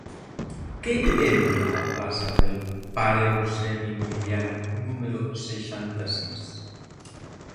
Què venen a la plaça del Pare Eusebi Millan número seixanta-sis?